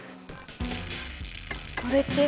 これって。